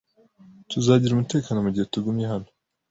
Tuzagira umutekano mugihe tugumye hano.